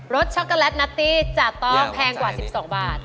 สช็อกโกแลตนัตตี้จะต้องแพงกว่า๑๒บาท